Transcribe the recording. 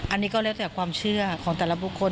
อันนี้ก็แล้วแต่ความเชื่อของแต่ละบุคคล